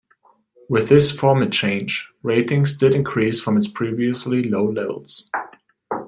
With this format change, ratings did increase from its previously low levels.